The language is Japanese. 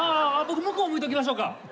僕向こう向いときましょうか？